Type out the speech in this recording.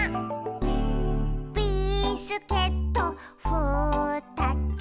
「ビスケットふたつ」